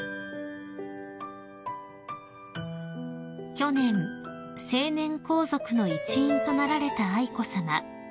［去年成年皇族の一員となられた愛子さま］